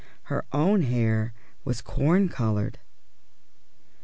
Her own hair was corn coloured.